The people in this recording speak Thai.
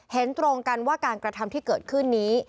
เห็นตรงกันว่าการกระทำที่เกิดขึ้นนี้